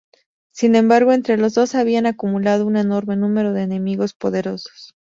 Sin embargo, entre los dos habían acumulado un enorme número de enemigos poderosos.